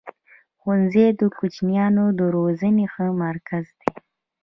ښوونځی د کوچنیانو د روزني ښه مرکز دی.